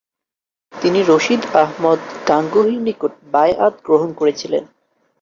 তিনি রশিদ আহমদ গাঙ্গুহির নিকট বায়আত গ্রহণ করেছিলেন।